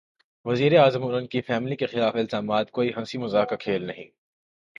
وزیر اعظم اور ان کی فیملی کے خلاف الزامات کوئی ہنسی مذاق کا کھیل نہیں۔